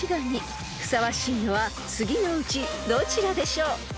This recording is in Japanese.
［ふさわしいのは次のうちどちらでしょう？］